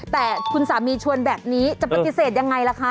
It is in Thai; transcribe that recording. แต่คุณสามีชวนแบบนี้จะปฏิเสธยังไงล่ะคะ